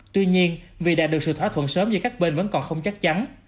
tuy nhiên vì đạt được sự thỏa thuận sớm giữa các bên vẫn còn không chắc chắn